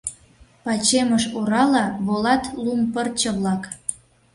Пачемыш орала волат лум пырче-влак.